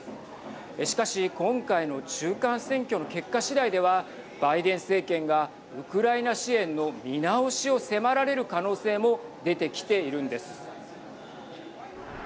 しかし今回の中間選挙の結果次第ではバイデン政権がウクライナ支援の見直しを迫られる可能性も出てきているんです。